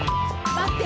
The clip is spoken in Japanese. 待って！